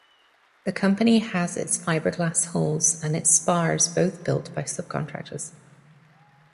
The company has its fiberglass hulls and its spars both built by subcontractors.